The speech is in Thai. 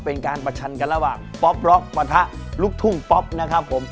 เป็นการประชันกันระหว่างป๊อปล็อกปะทะลูกทุ่งป๊อปนะครับผม